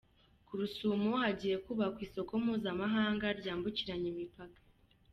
Ku Rusumo hagiye kubakwa isoko mpuzamahanga ryambukiranya imipaka.